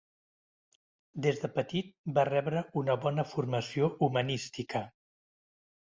Des de petit va rebre una bona formació humanística.